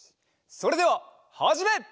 それでははじめ！